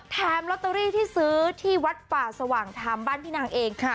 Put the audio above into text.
แถมล็อตเตอรี่ที่ซื้อที่วัดป่าสว่างทำบ้านพี่นางเองค่ะ